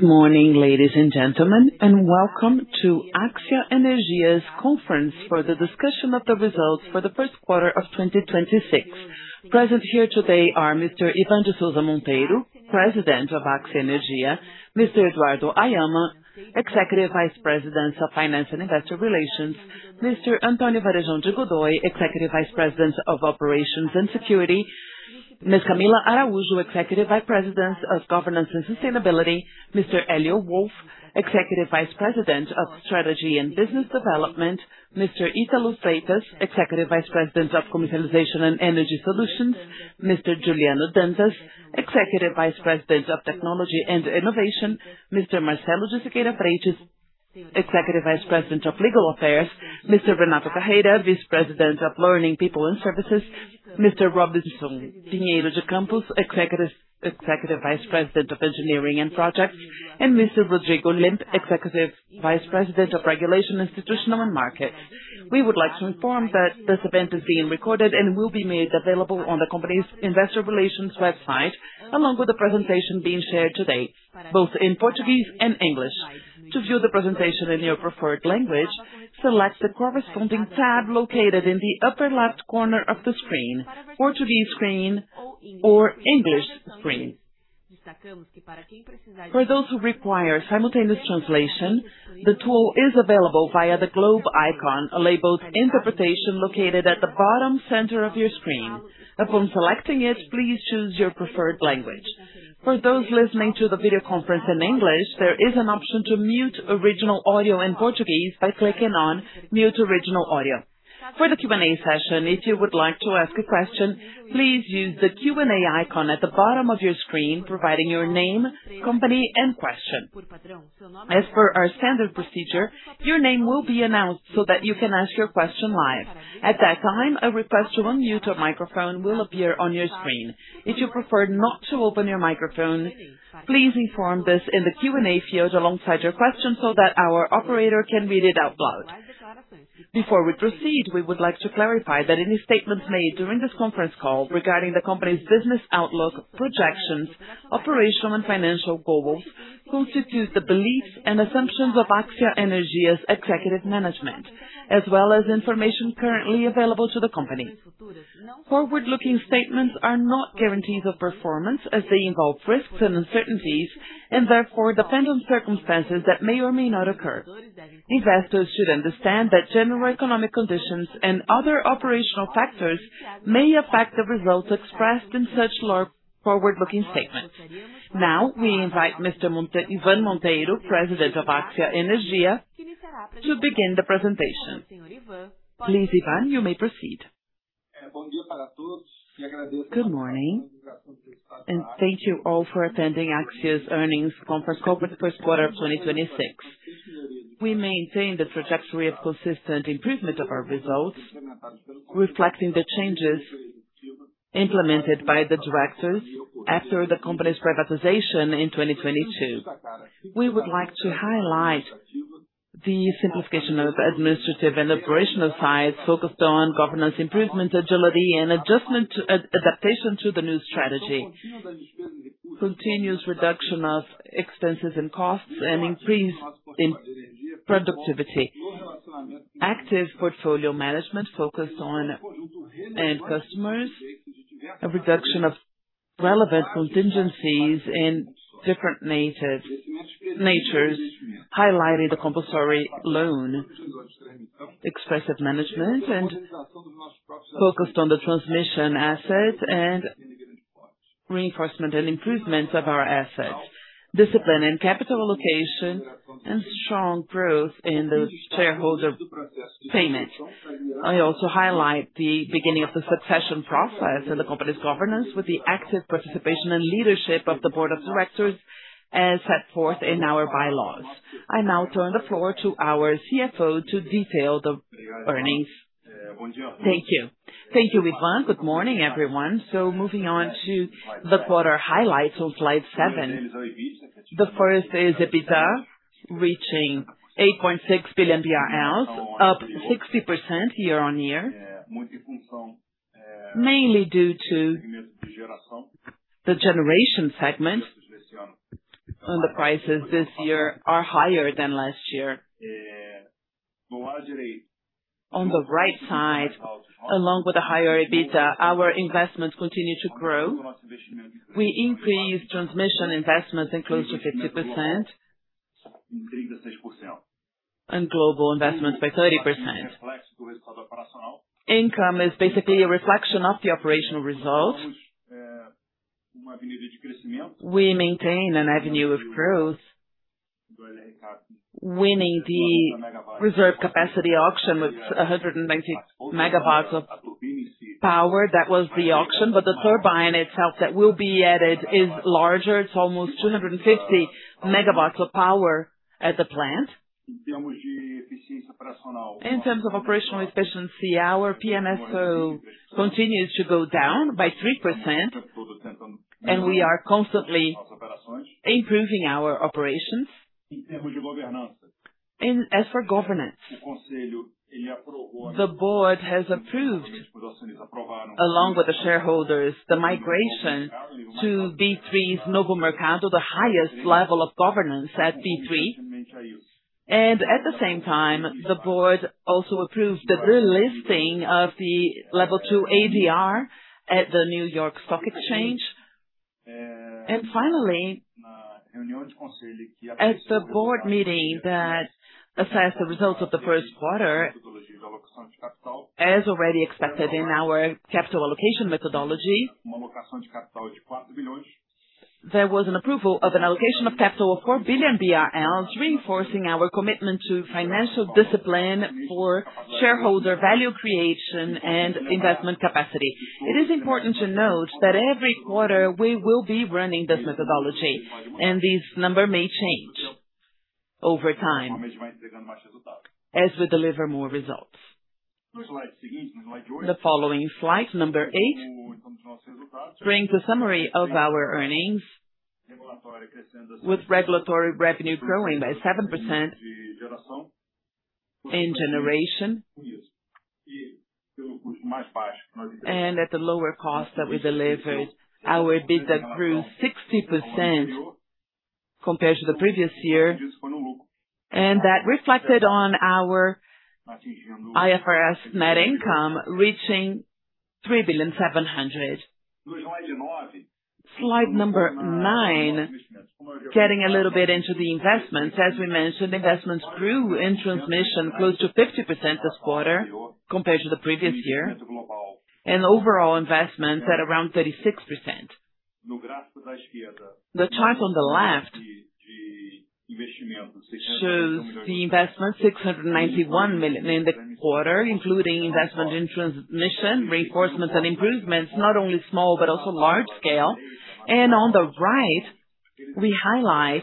Good morning, ladies and gentlemen, welcome to AXIA Energia's conference for the discussion of the results for the first quarter of 2026. Present here today are Mr. Ivan de Souza Monteiro, President of AXIA Energia; Mr. Eduardo Haiama, Executive Vice President of Finance and Investor Relations; Mr. Antonio Varejão de Godoy, Executive Vice President of Operations and Security; Ms. Camila Araujo, Executive Vice President of Governance and Sustainability; Mr. Elio Wolff, Executive Vice President of Strategy and Business Development; Mr. Italo Freitas, Executive Vice President of Commercialization and Energy Solutions; Mr. Juliano Dantas, Executive Vice President of Technology and Innovation; Mr. Marcelo de Siqueira Freitas, Executive Vice President of Legal Affairs; Mr. Renato Carreira, Vice President of Learning, People, and Services; Mr. Robson Pinheiro de Campos, Executive Vice President of Engineering and Projects; Mr. Rodrigo Limp, Executive Vice President of Regulation, Institutional, and Market. We would like to inform that this event is being recorded and will be made available on the company's Investor Relations website, along with the presentation being shared today, both in Portuguese and English. To view the presentation in your preferred language, select the corresponding tab located in the upper left corner of the screen, Portuguese screen or English screen. For those who require simultaneous translation, the tool is available via the globe icon, labeled Interpretation, located at the bottom center of your screen. Upon selecting it, please choose your preferred language. For those listening to the video conference in English, there is an option to mute original audio in Portuguese by clicking on mute original audio. For the Q&A session, if you would like to ask a question, please use the Q&A icon at the bottom of your screen, providing your name, company, and question. As per our standard procedure, your name will be announced so that you can ask your question live. At that time, a request to unmute your microphone will appear on your screen. If you prefer not to open your microphone, please inform this in the Q&A field alongside your question so that our operator can read it out loud. Before we proceed, we would like to clarify that any statements made during this conference call regarding the company's business outlook, projections, operational and financial goals, constitutes the beliefs and assumptions of AXIA Energia's executive management, as well as information currently available to the company. Forward-looking statements are not guarantees of performance as they involve risks and uncertainties, and therefore depend on circumstances that may or may not occur. Investors should understand that general economic conditions and other operational factors may affect the results expressed in such forward-looking statements. Now, we invite Mr. Ivan Monteiro, President of AXIA Energia, to begin the presentation. Please, Ivan, you may proceed. Good morning and thank you all for attending AXIA's earnings conference call for the first quarter of 2026. We maintain the trajectory of consistent improvement of our results, reflecting the changes implemented by the directors after the company's privatization in 2022. We would like to highlight the simplification of administrative and operational sides focused on governance improvement, agility and adaptation to the new strategy. Continuous reduction of expenses and costs and increase in productivity. Active portfolio management focused on end customers. A reduction of relevant contingencies in different natures, highlighting the compulsory loan. Expressive management and focused on the transmission assets and reinforcement and improvements of our assets. Discipline in capital allocation and strong growth in the shareholder payment. I also highlight the beginning of the succession process in the company's governance with the active participation and leadership of the board of directors as set forth in our bylaws. I now turn the floor to our CFO to detail the earnings. Thank you. Thank you, Ivan. Good morning, everyone. Moving on to the quarter highlights on slide seven. The first is EBITDA, reaching BRL 8.6 billion, up 60% year-on-year. Mainly due to the generation segment and the prices this year are higher than last year. On the right side, along with the higher EBITDA, our investments continue to grow. We increased transmission investments in close to 50%, and global investments by 30%. Income is basically a reflection of the operational result. We maintain an avenue of growth, winning the reserve capacity auction with 190 MW of power. That was the auction, but the turbine itself that will be added is larger. It's almost 250 MW of power at the plant. In terms of operational efficiency, our PMSO continues to go down by 3%, we are constantly improving our operations. As for governance, the board has approved, along with the shareholders, the migration to B3's Novo Mercado, the highest level of governance at B3. At the same time, the board also approved the delisting of the Level II ADR at the New York Stock Exchange. Finally, at the board meeting that assessed the results of the first quarter, as already expected in our capital allocation methodology, there was an approval of an allocation of capital of 4 billion BRL, reinforcing our commitment to financial discipline for shareholder value creation and investment capacity. It is important to note that every quarter we will be running this methodology, and this number may change over time as we deliver more results. The following slide number eight, brings a summary of our earnings, with regulatory revenue growing by 7% in generation. At the lower cost that we delivered, our EBITDA grew 60% compared to the previous year. That reflected on our IFRS net income, reaching 3.7 billion. Slide number nine, getting a little bit into the investments. As we mentioned, investments grew in transmission close to 50% this quarter compared to the previous year, and overall investments at around 36%. The chart on the left shows the investment, 691 million in the quarter, including investment in transmission, reinforcements and improvements, not only small, but also large scale. On the right, we highlight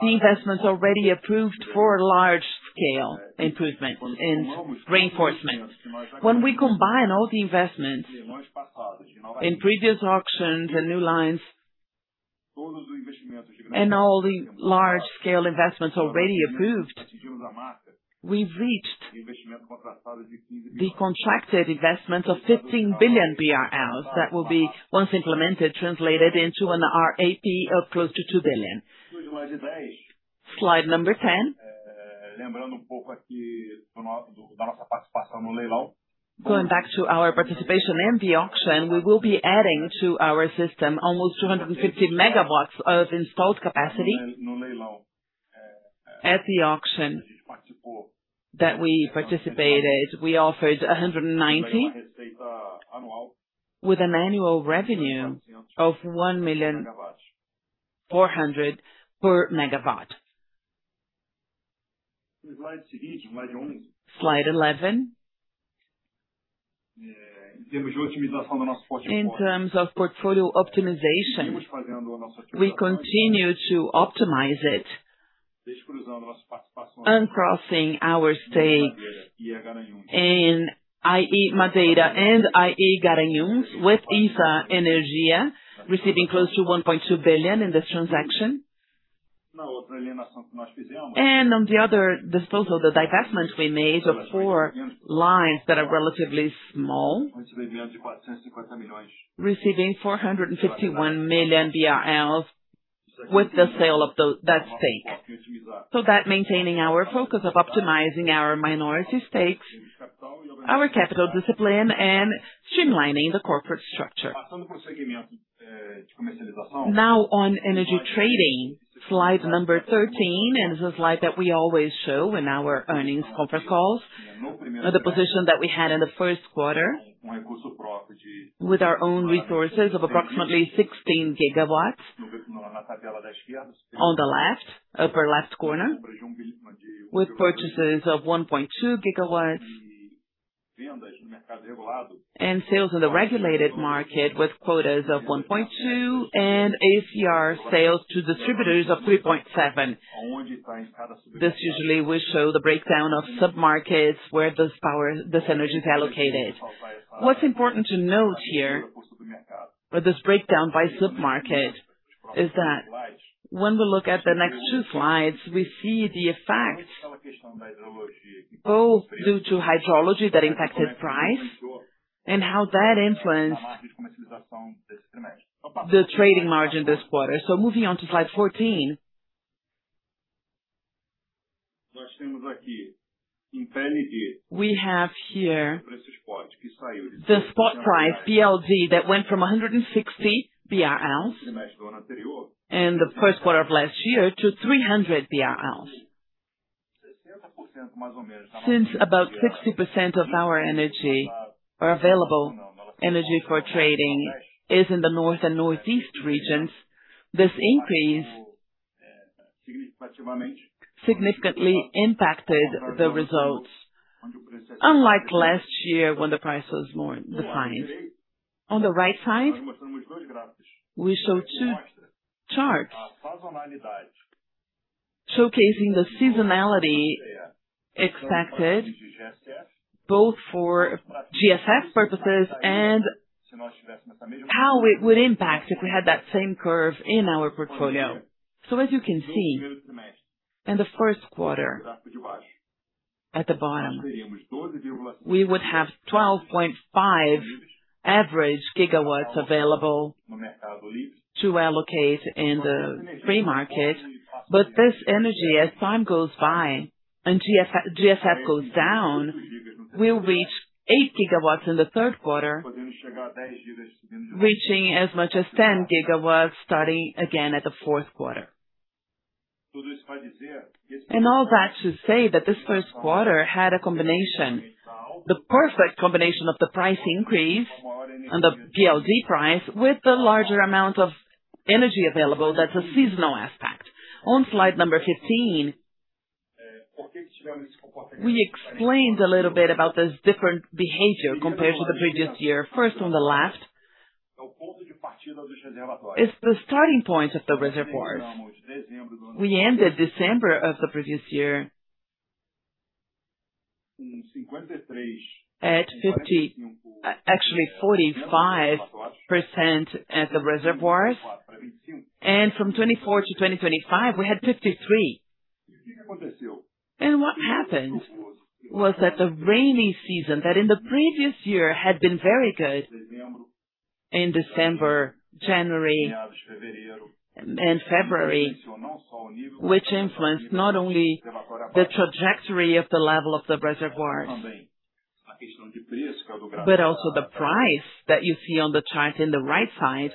the investments already approved for large scale improvement and reinforcement. When we combine all the investments in previous auctions and new lines and all the large scale investments already approved, we've reached the contracted investment of 15 billion BRL that will be, once implemented, translated into an RAP of close to 2 billion. Slide number 10. Going back to our participation in the auction, we will be adding to our system almost 250 MW of installed capacity. At the auction that we participated, we offered 190 MW, with an annual revenue of 1.4 million per MW. Slide 11. In terms of portfolio optimization, we continue to optimize it, uncrossing our stake in IE Madeira and IE Garanhuns with ISA Energia, receiving close to 1.2 billion in this transaction. On the other disposal, the divestment we made of four lines that are relatively small, receiving 451 million BRL with the sale of that stake. That maintaining our focus of optimizing our minority stakes, our capital discipline, and streamlining the corporate structure. Now on energy trading, slide number 13, and this is a slide that we always show in our earnings conference calls. Now, the position that we had in the first quarter with our own resources of approximately 16 GW on the left, upper left corner, with purchases of 1.2 GW and sales in the regulated market with quotas of 1.2 GW and ACR sales to distributors of 3.7 GW. This usually will show the breakdown of submarkets where this power, this energy is allocated. What's important to note here with this breakdown by submarket is that when we look at the next two slides, we see the effect, both due to hydrology that impacted price and how that influenced the trading margin this quarter. Moving on to slide 14. We have here the spot price, PLD, that went from 160 BRL in the first quarter of last year to 300 BRL. Since about 60% of our energy are available, energy for trading is in the north and northeast regions, this increase significantly impacted the results, unlike last year when the price was more defined. On the right side, we show two charts showcasing the seasonality expected both for GSF purposes and how it would impact if we had that same curve in our portfolio. As you can see, in the first quarter, at the bottom, we would have 12.5 GW average available to allocate in the free market. This energy, as time goes by and GSF goes down, will reach 8 GW in the third quarter, reaching as much as 10 GW, starting again at the fourth quarter. All that to say that this first quarter had a combination, the perfect combination of the price increase and the PLD price with the larger amount of energy available, that's a seasonal aspect. On slide number 15, we explained a little bit about this different behavior compared to the previous year. First, on the left, is the starting point of the reservoirs. We ended December of the previous year at actually 45% at the reservoirs. From 2024 to 2025, we had 53%. What happened was that the rainy season that in the previous year had been very good in December, January, and February, which influenced not only the trajectory of the level of the reservoirs, but also the price that you see on the chart in the right side.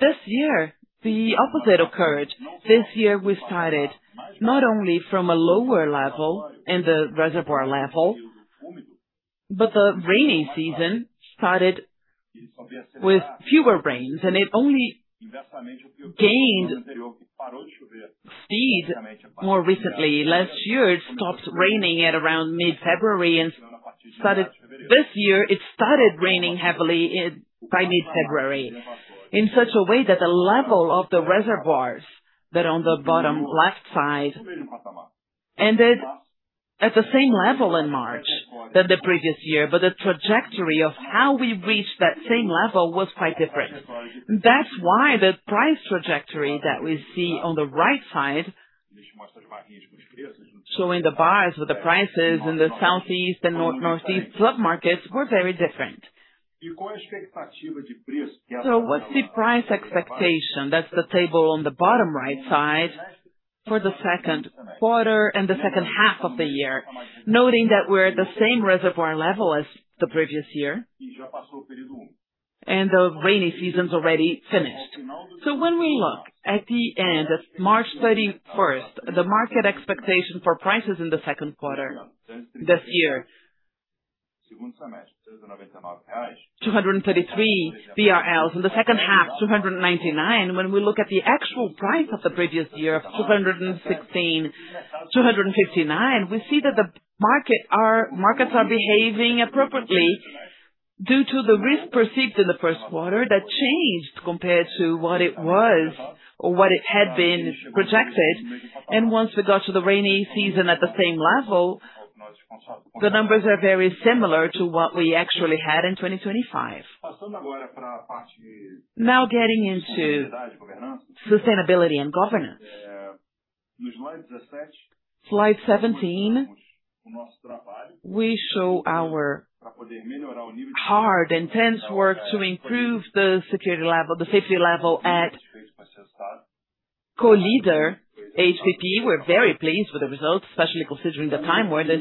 This year, the opposite occurred. This year, we started not only from a lower level in the reservoir level, but the rainy season started with fewer rains, and it only gained speed more recently. Last year, it stopped raining at around mid-February. This year, it started raining heavily by mid-February, in such a way that the level of the reservoirs that on the bottom left side ended at the same level in March than the previous year. The trajectory of how we reached that same level was quite different. That's why the price trajectory that we see on the right side, showing the bars with the prices in the southeast and north, northeast sub-markets were very different. What's the price expectation? That's the table on the bottom right side for the second quarter and the second half of the year. Noting that we're at the same reservoir level as the previous year, and the rainy season's already finished. When we look at the end of March 31st, the market expectation for prices in the second quarter this year, 233 BRL. In the second half, 299. When we look at the actual price of the previous year, 216, 259, we see that the markets are behaving appropriately due to the risk perceived in the first quarter that changed compared to what it was or what it had been projected. Once we got to the rainy season at the same level, the numbers are very similar to what we actually had in 2025. Getting into sustainability and governance. Slide 17, we show our hard, intense work to improve the security level, the safety level at Colíder HPP. We're very pleased with the results, especially considering the time where this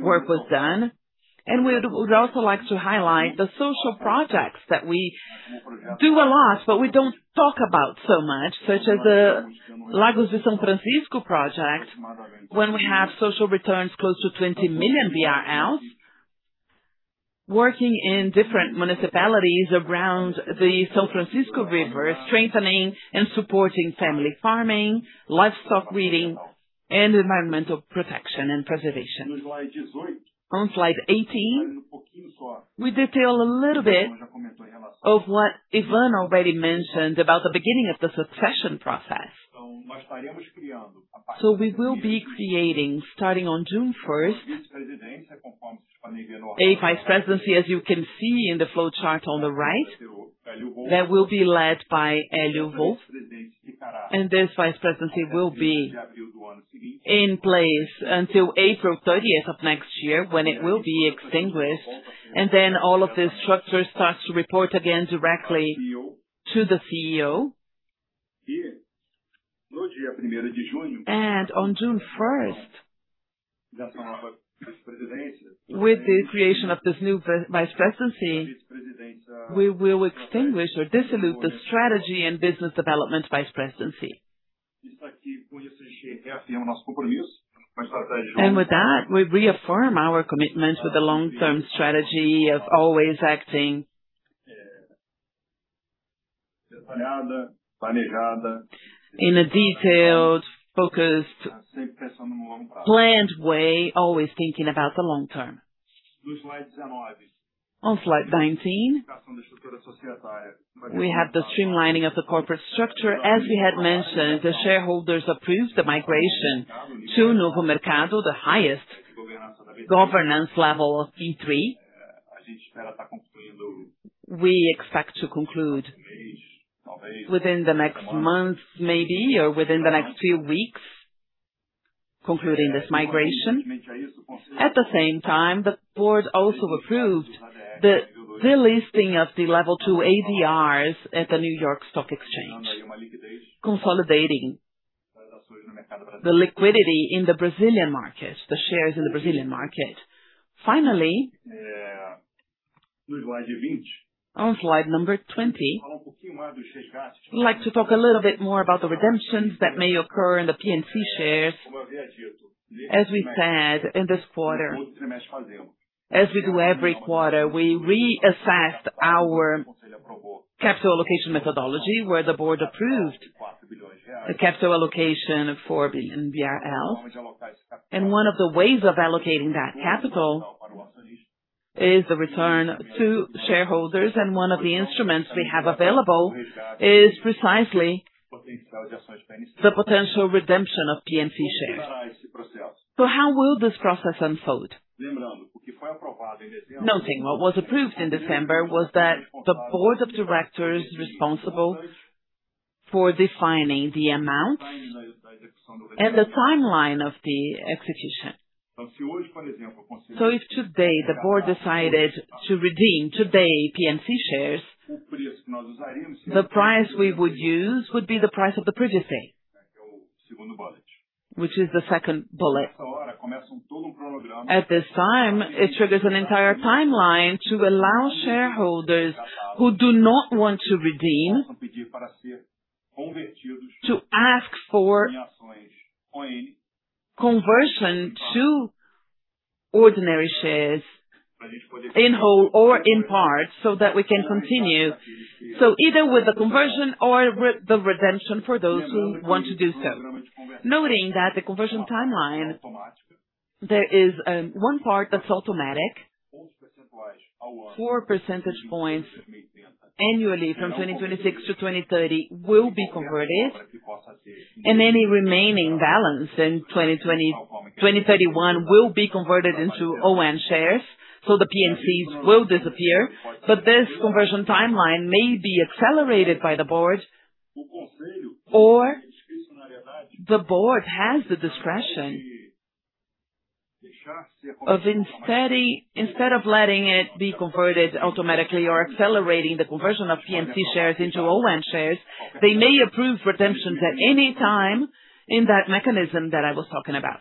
work was done. We'd also like to highlight the social projects that we do a lot, but we don't talk about so much, such as the Lagos de São Francisco project, when we have social returns close to 20 million, working in different municipalities around the São Francisco River, strengthening and supporting family farming, livestock breeding, and environmental protection and preservation. On slide 18, we detail a little bit of what Ivan already mentioned about the beginning of the succession process. We will be creating, starting on June 1st, a vice presidency, as you can see in the flowchart on the right, that will be led by Elio Wolff. This vice presidency will be in place until April 30th of next year, when it will be extinguished. All of this structure starts to report again directly to the CEO. On June 1st, with the creation of this new vice presidency, we will extinguish or dissolve the Strategy and Business Development Vice Presidency. With that, we reaffirm our commitment to the long-term strategy of always acting in a detailed, focused, planned way, always thinking about the long term. On slide 19, we have the streamlining of the corporate structure. As we had mentioned, the shareholders approved the migration to Novo Mercado, the highest governance level of B3. We expect to conclude within the next months, maybe or within the next few weeks, concluding this migration. At the same time, the board also approved the listing of the Level II ADRs at the New York Stock Exchange, consolidating the liquidity in the Brazilian market, the shares in the Brazilian market. Finally, on slide number 20, we'd like to talk a little bit more about the redemptions that may occur in the PNC shares. As we said, in this quarter, as we do every quarter, we reassessed our capital allocation methodology, where the board approved the capital allocation of 4 billion BRL. One of the ways of allocating that capital is the return to shareholders, and one of the instruments we have available is precisely the potential redemption of PNC shares. How will this process unfold? Noting what was approved in December was that the board of directors responsible for defining the amount and the timeline of the execution. If today the board decided to redeem today PNC shares, the price we would use would be the price of the previous day, which is the second bullet. At this time, it triggers an entire timeline to allow shareholders who do not want to redeem to ask for conversion to ordinary shares in whole or in part so that we can continue. Either with the conversion or with the redemption for those who want to do so. Noting that the conversion timeline, there is one part that's automatic. 4 percentage points annually from 2026 to 2030 will be converted, and any remaining balance in 2031 will be converted into ON shares, the PNCs will disappear. This conversion timeline may be accelerated by the board or the board has the discretion of instead of letting it be converted automatically or accelerating the conversion of PNC shares into ON shares, they may approve redemptions at any time in that mechanism that I was talking about.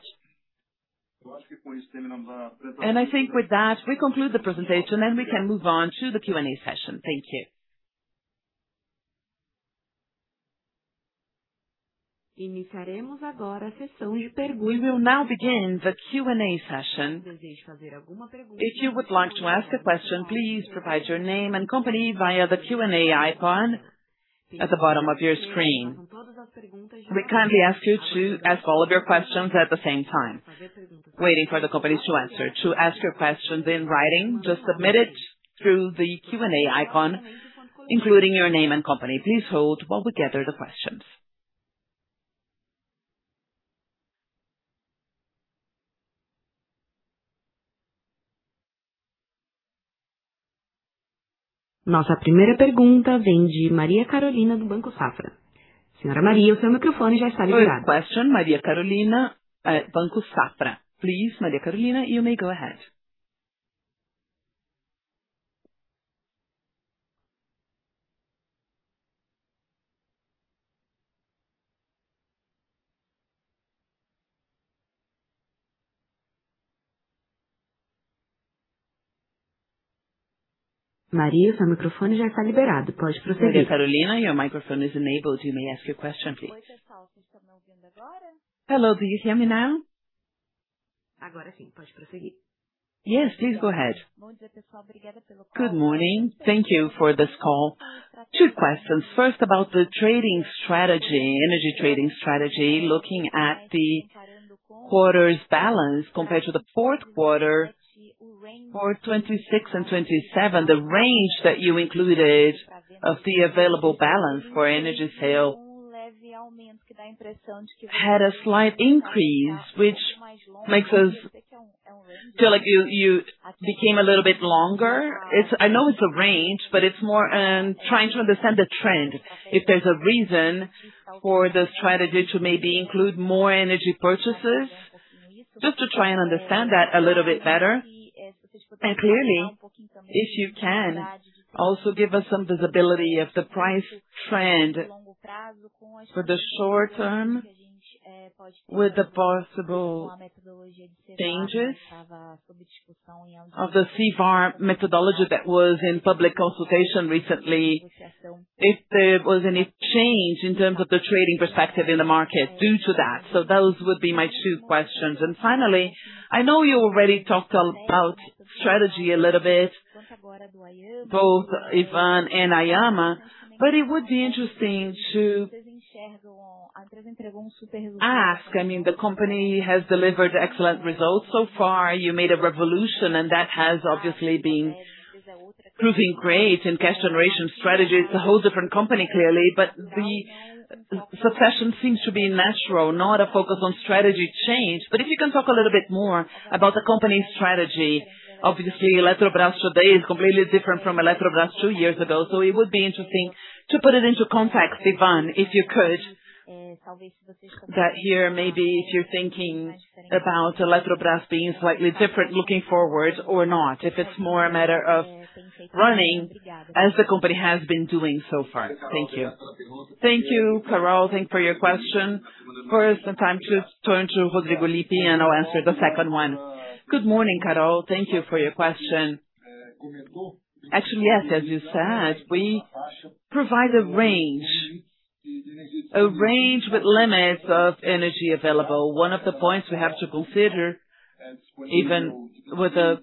I think with that, we conclude the presentation, and we can move on to the Q&A session. Thank you. We will now begin the Q&A session. If you would like to ask a question, please provide your name and company via the Q&A icon at the bottom of your screen. We kindly ask you to ask all of your questions at the same time, waiting for the companies to answer. To ask your questions in writing, just submit it through the Q&A icon, including your name and company. Please hold while we gather the questions. First question, Maria Carolina at Banco Safra. Please, Maria Carolina, you may go ahead. Maria Carolina, your microphone is enabled. You may ask your question, please. Hello. Do you hear me now? Yes, please go ahead. Good morning. Thank you for this call. Two questions. First, about the trading strategy, energy trading strategy. Looking at the quarter's balance compared to the fourth quarter for 2026 and 2027, the range that you included of the available balance for energy sale had a slight increase, which makes us feel like you became a little bit longer. It's I know it's a range, but it's more trying to understand the trend. If there's a reason for the strategy to maybe include more energy purchases, just to try and understand that a little bit better. Clearly, if you can, also give us some visibility of the price trend for the short term with the possible changes of the CVaR methodology that was in public consultation recently. If there was any change in terms of the trading perspective in the market due to that. Those would be my two questions. Finally, I know you already talked about strategy a little bit, both Ivan and Haiama, but it would be interesting to ask. I mean, the company has delivered excellent results so far. You made a revolution, and that has obviously been proving great in cash generation strategy. It's a whole different company, clearly, but the succession seems to be natural, not a focus on strategy change. But if you can talk a little bit more about the company's strategy. Obviously, Eletrobras today is completely different from Eletrobras two years ago, so it would be interesting to put it into context, Ivan, if you could. That here, maybe if you're thinking about Eletrobras being slightly different looking forward or not, if it's more a matter of running as the company has been doing so far. Thank you. Thank you, Carol. Thank for your question. First, I'm to turn to Rodrigo Limp. I'll answer the second one. Good morning, Carol. Thank you for your question. Actually, yes, as you said, we provide a range, a range with limits of energy available. One of the points we have to consider, even with a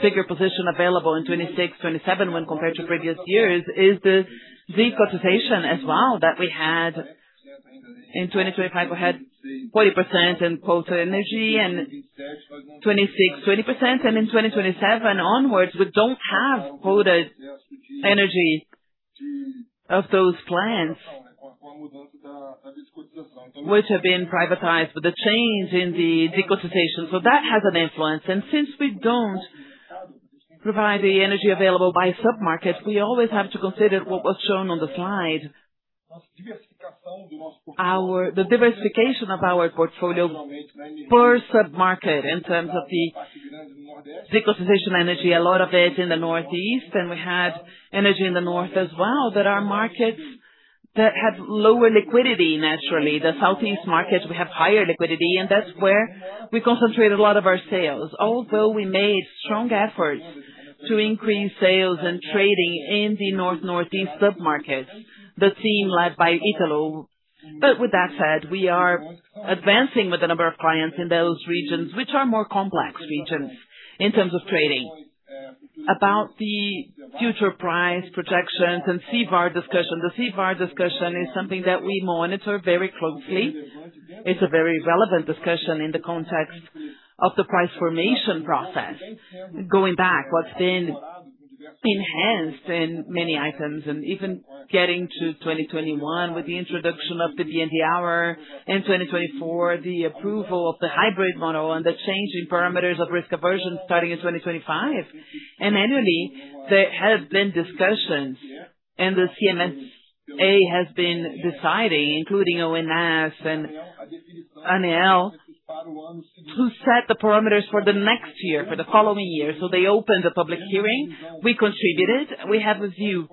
bigger position available in 2026, 2027 when compared to previous years, is the de-quotization as well that we had. In 2025, we had 40% in quota energy, and 2026, 20%, and in 2027 onwards, we don't have quoted energy of those plants which have been privatized with the change in the de-quotization. That has an influence. Since we don't provide the energy available by sub-market, we always have to consider what was shown on the slide. The diversification of our portfolio per sub-market in terms of the de-quotization energy, a lot of it in the Northeast, and we had energy in the North as well, that are markets that have lower liquidity, naturally. The Southeast market, we have higher liquidity. That's where we concentrate a lot of our sales, although we made strong efforts to increase sales and trading in the North, Northeast sub-markets, the team led by Italo. With that said, we are advancing with a number of clients in those regions, which are more complex regions in terms of trading. About the future price projections and CVaR discussion. The CVaR discussion is something that we monitor very closely. It's a very relevant discussion in the context of the price formation process. Going back, what's been enhanced in many items, even getting to 2021 with the introduction of the PLD/hour, in 2024, the approval of the hybrid model and the change in parameters of risk aversion starting in 2025. Annually, there have been discussions, and the CNSA has been deciding, including ONS and ANEEL, to set the parameters for the next year, for the following year. They opened the public hearing. We contributed. We have a view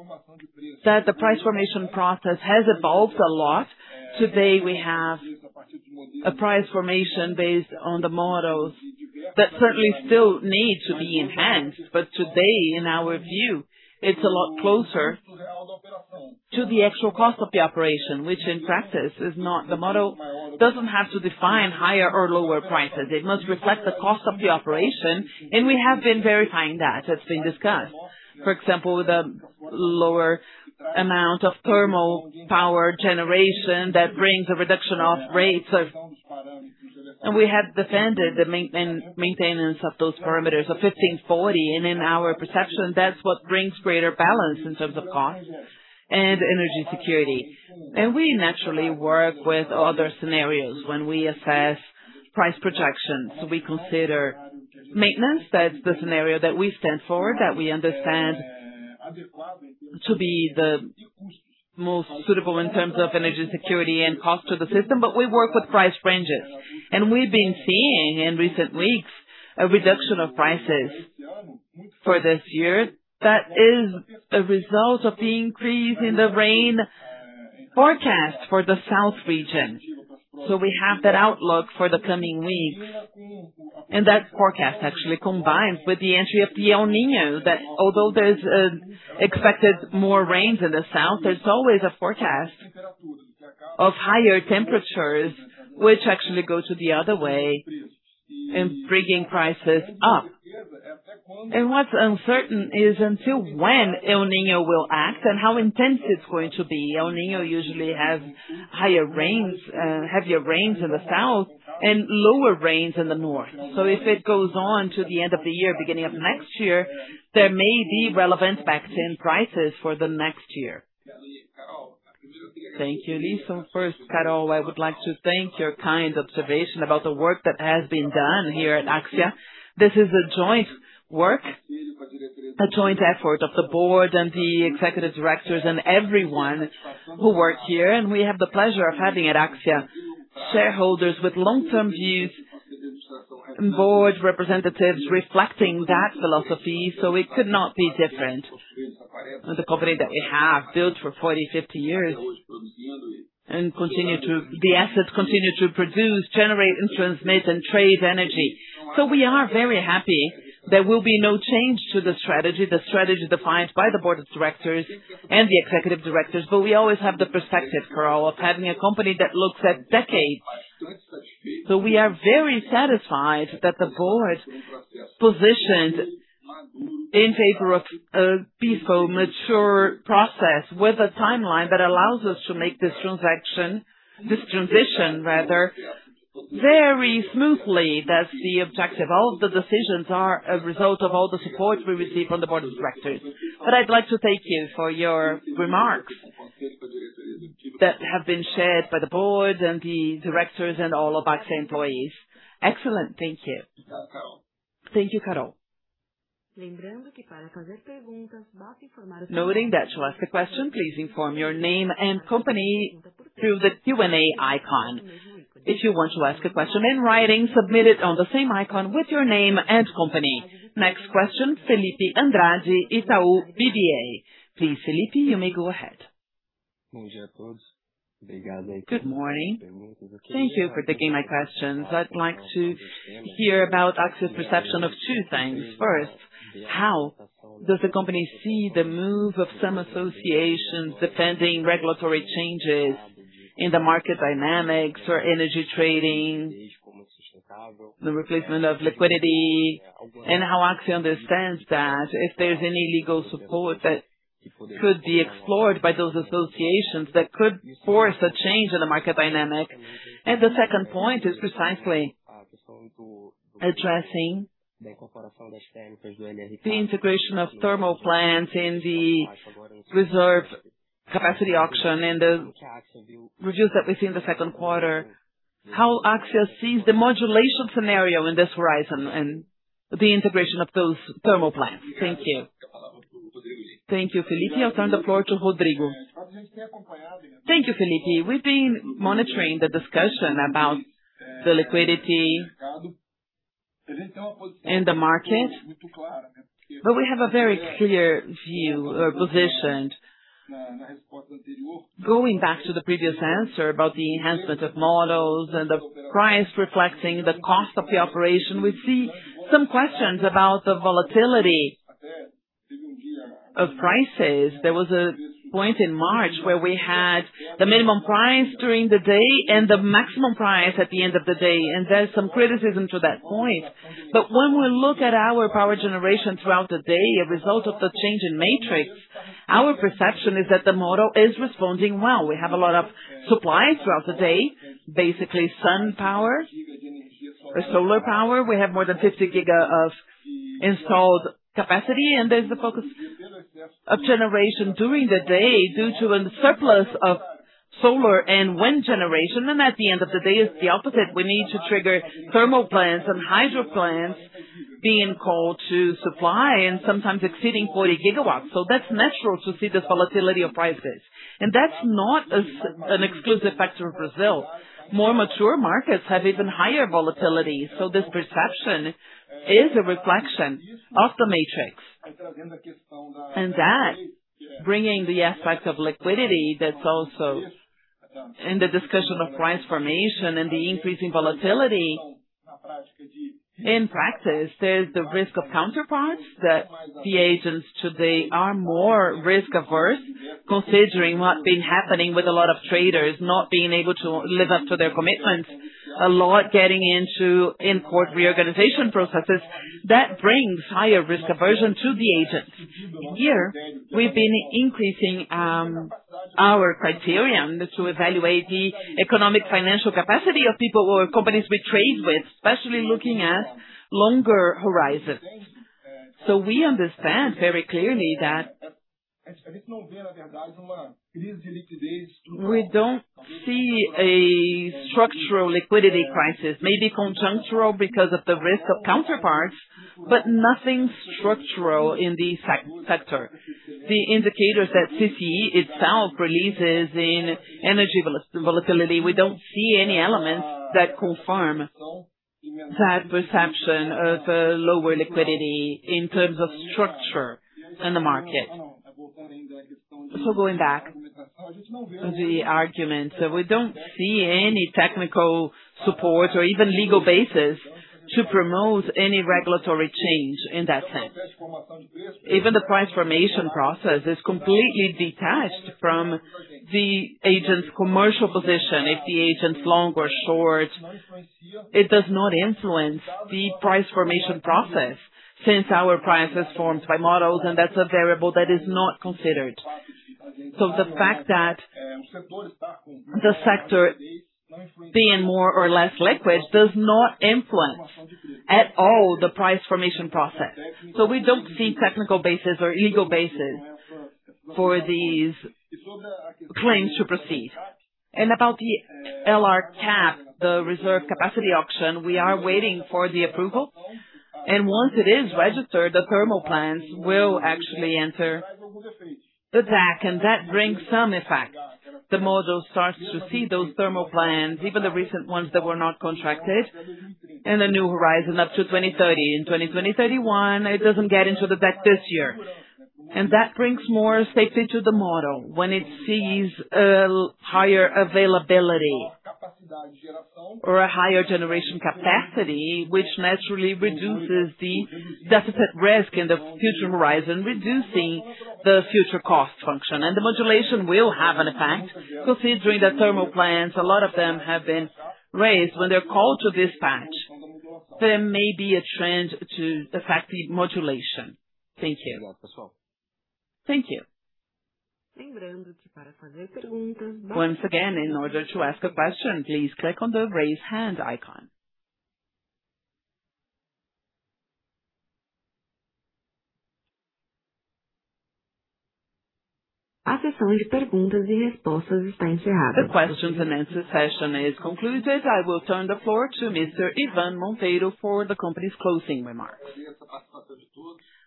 that the price formation process has evolved a lot. Today, we have a price formation based on the models that certainly still need to be enhanced. Today, in our view, it's a lot closer to the actual cost of the operation, which in practice is not the model, doesn't have to define higher or lower prices. It must reflect the cost of the operation, and we have been verifying that. It's been discussed. For example, the lower amount of thermal power generation that brings a reduction of rates. We have defended the maintenance of those parameters of 15-40. In our perception, that's what brings greater balance in terms of cost and energy security. We naturally work with other scenarios when we assess price projections. We consider maintenance. That's the scenario that we stand for, that we understand to be the most suitable in terms of energy security and cost to the system. We work with price ranges, and we've been seeing in recent weeks a reduction of prices for this year that is a result of the increase in the rain forecast for the South region. We have that outlook for the coming weeks. That forecast actually combines with the entry of El Niño, that although there's expected more rains in the South, there's always a forecast of higher temperatures, which actually go to the other way in bringing prices up. What's uncertain is until when El Niño will act and how intense it's going to be. El Niño usually has higher rains, heavier rains in the South and lower rains in the North. If it goes on to the end of the year, beginning of next year, there may be relevant effects in prices for the next year. Thank you, Limp. First, Carol, I would like to thank your kind observation about the work that has been done here at AXIA. This is a joint work, a joint effort of the board and the executive directors and everyone who work here. We have the pleasure of having at AXIA shareholders with long-term views and board representatives reflecting that philosophy. It could not be different. The company that we have built for 40, 50 years. The assets continue to produce, generate, and transmit and trade energy. We are very happy. There will be no change to the strategy, the strategy defined by the board of directors and the executive directors. We always have the perspective, Carol, of having a company that looks at decades. We are very satisfied that the board positioned in favor of a peaceful, mature process with a timeline that allows us to make this transaction, this transition rather, very smoothly. That's the objective. All of the decisions are a result of all the support we receive from the board of directors. I'd like to thank you for your remarks that have been shared by the board and the directors and all of AXIA employees. Excellent. Thank you. Thank you, Carol. Noting that to ask a question, please inform your name and company through the Q&A icon. If you want to ask a question in writing, submit it on the same icon with your name and company. Next question, Fillipe Andrade, Itaú BBA. Please, Fillipe, you may go ahead. Good morning. Thank you for taking my questions. I'd like to hear about AXIA's perception of two things. First, how does the company see the move of some associations defending regulatory changes in the market dynamics or energy trading, the replacement of liquidity, and how AXIA understands that if there's any legal support that could be explored by those associations that could force a change in the market dynamic. The second point is precisely addressing the integration of thermal plants in the reserve capacity auction and the reviews that we see in the second quarter, how AXIA sees the modulation scenario in this horizon and the integration of those thermal plants. Thank you. Thank you, Fillipe. I'll turn the floor to Rodrigo. Thank you, Fillipe. We've been monitoring the discussion about the liquidity in the market, but we have a very clear view or position. Going back to the previous answer about the enhancement of models and the price reflecting the cost of the operation, we see some questions about the volatility of prices. There was a point in March where we had the minimum price during the day and the maximum price at the end of the day. There's some criticism to that point. When we look at our power generation throughout the day, a result of the change in matrix, our perception is that the model is responding well. We have a lot of supply throughout the day, basically sun power or solar power. We have more than 50 GW of installed capacity. There's the focus of generation during the day due to a surplus of solar and wind generation. At the end of the day, it's the opposite. We need to trigger thermal plants and hydro plants being called to supply and sometimes exceeding 40 GW. That's natural to see the volatility of prices. That's not an exclusive factor of Brazil. More mature markets have even higher volatility. This perception is a reflection of the matrix. That, bringing the aspect of liquidity that's also in the discussion of price formation and the increase in volatility, in practice, there's the risk of counterparts that the agents today are more risk-averse, considering what's been happening with a lot of traders not being able to live up to their commitments, a lot getting into judicial reorganization processes. That brings higher risk aversion to the agents. Here, we've been increasing our criterion to evaluate the economic financial capacity of people or companies we trade with, especially looking at longer horizons. We understand very clearly that we don't see a structural liquidity crisis, maybe conjunctural because of the risk of counterparts, but nothing structural in the sector. The indicators that CCE itself releases in energy volatility, we don't see any elements that confirm that perception of a lower liquidity in terms of structure in the market. Going back to the argument, we don't see any technical support or even legal basis to promote any regulatory change in that sense. Even the price formation process is completely detached from the agent's commercial position. If the agent's long or short, it does not influence the price formation process since our price is formed by models, and that's a variable that is not considered. The fact that the sector being more or less liquid does not influence at all the price formation process. We don't see technical basis or legal basis for these claims to proceed. About the LRCAP, the reserve capacity auction, we are waiting for the approval. Once it is registered, the thermal plants will actually enter the deck, and that brings some effect. The model starts to see those thermal plants, even the recent ones that were not contracted, in a new horizon up to 2030 and 2031. It doesn't get into the deck this year. That brings more safety to the model when it sees a higher availability or a higher generation capacity, which naturally reduces the deficit risk in the future horizon, reducing the future cost function. The modulation will have an effect considering the thermal plants. A lot of them have been raised. When they're called to dispatch, there may be a trend to effective modulation. Thank you. Thank you. Once again, in order to ask a question, please click on the raise hand icon. The questions-and-answers session is concluded. I will turn the floor to Mr. Ivan Monteiro for the company's closing remarks.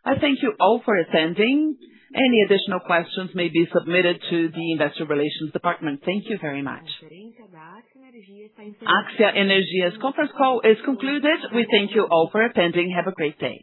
I thank you all for attending. Any additional questions may be submitted to the Investor Relations department. Thank you very much. AXIA Energia's conference call is concluded. We thank you all for attending. Have a great day.